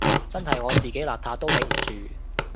真係我自己邋遢都頂唔住